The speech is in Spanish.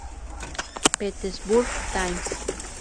Petersburg Times".